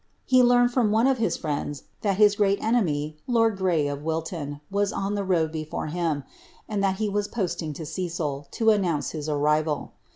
He learned from one of his friends, that his great enemy lord Grey, of Wilton, was on the road before him, and that he was posting to Cecil, to announce his arrival.